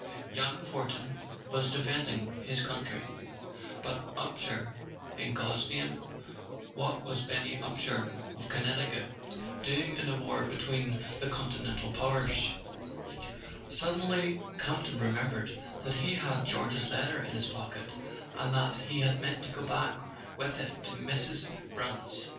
Young Fortin was defending his country—but [ 208 ] A SON AT THE FRONT Upsher, in God's name what was Benny Upsher of Connecticut doing in a war between the continental powers ? Suddenly Campton remembered that he had George's letter in his pocket, and that he had meant to go back with it to Mrs. Brant's.